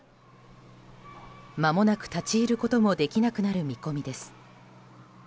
まもなく立ち入ることもできなくなる見込みです。